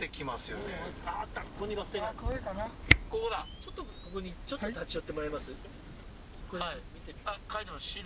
ちょっとここに立ち寄ってもらえます？